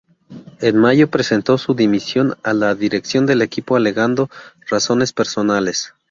En mayo presentó su dimisión a la dirección del equipo alegando razones personales.